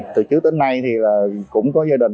từ trước tới nay cũng có gia đình